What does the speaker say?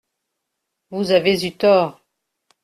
Vous avez eu tort…